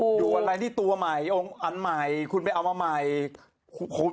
อยู่อะไรที่ตัวใหม่อันใหม่คุณไปเอามาใหม่